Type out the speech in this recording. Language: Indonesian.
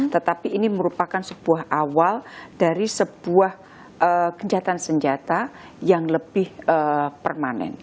tetapi ini merupakan sebuah awal dari sebuah kejahatan senjata yang lebih permanen